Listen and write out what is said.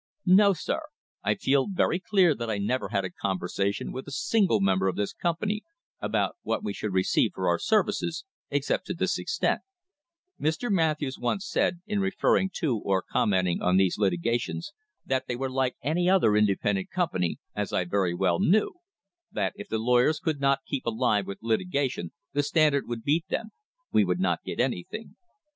No, sir. I feel very clear that I never had a conversation with a single member of this company about what we should receive for our services, except to this extent: Mr. Matthews once said, in referring to or commenting on these litigations, that they were like any other independent company, as I very well knew; that if the lawyers could not keep them alive with litigation, the Standard would beat them we would not get anything.